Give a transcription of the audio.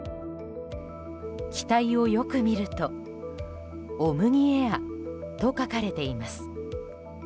機体をよく見ると「ＯｍｎｉＡｉｒ」と書かれています。